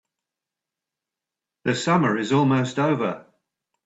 The summer is almost over.